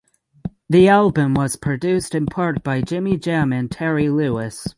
The album was produced in part by Jimmy Jam and Terry Lewis.